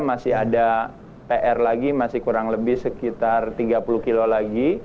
masih ada pr lagi masih kurang lebih sekitar tiga puluh kilo lagi